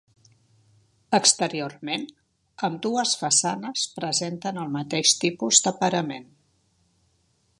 Exteriorment, ambdues façanes presenten el mateix tipus de parament.